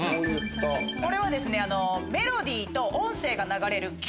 これはメロディーと音声が流れる。